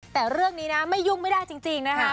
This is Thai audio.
แต่เรื่องนี้นะไม่ยุ่งไม่ได้จริงนะคะ